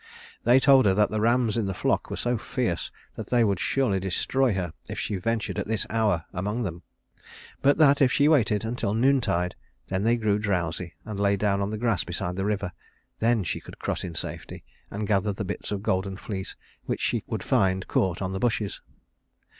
They told her that the rams in the flock were so fierce that they would surely destroy her if she ventured at this hour among them; but that if she waited until noontide, when they grew drowsy and lay down on the grass beside the river, then she could cross in safety, and gather the bits of golden fleece which she would find caught on the bushes.